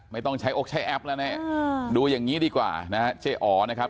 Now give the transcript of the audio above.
ไม่ต้องใช้อกใช้แอปแล้วนะดูอย่างนี้ดีกว่านะฮะเจ๊อ๋อนะครับ